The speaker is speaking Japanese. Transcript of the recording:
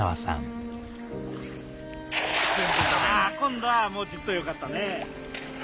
あ今度はもうちょっとよかったね。